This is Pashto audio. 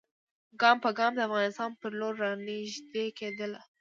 ګام په ګام د افغانستان پر لور را نیژدې کېدله.